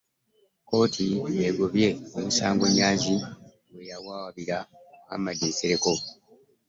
Kkooti egobye omusango Nyanzi gwe yawawaabira Muhammad Nsereko.